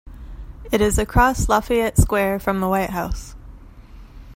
It is across Lafayette Square from the White House.